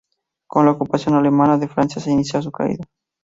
Con la ocupación alemana de Francia se inicia su caída.